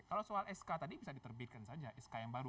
kalau soal sk tadi bisa diterbitkan saja sk yang baru